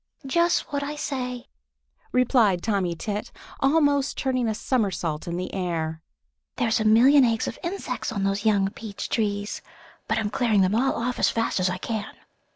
"Just what I say," replied Tommy Tit, almost turning a somersault in the air. "There's a million eggs of insects on those young peach trees, but I'm clearing them all off as fast as I can.